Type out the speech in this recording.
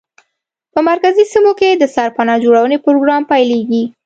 په مرکزي سیمو کې د سرپناه جوړونې پروګرام پیلېږي.